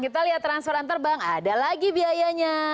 kita lihat transfer antar bank ada lagi biayanya